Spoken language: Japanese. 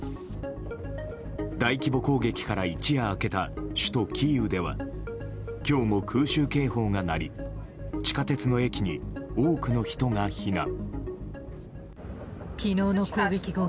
大規模攻撃から一夜明けた首都キーウでは今日も空襲警報が鳴り地下鉄の駅に多くの人が避難。